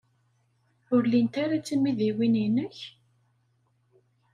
Ur llint ara d timidiwin-nnek?